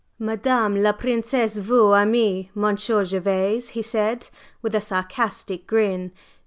"Madame la Princesse vous aime, Monsieur Gervase!" he said, with a sarcastic grin.